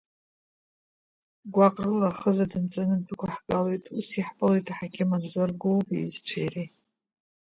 Гәаҟрыла ахыза данҵаны ддәықәаҳгалоит, ус иаҳԥылоит аҳақьым Анзор Гоов иҩызцәеи иареи.